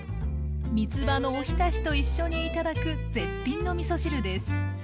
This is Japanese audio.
みつばのおひたしと一緒に頂く絶品のみそ汁です。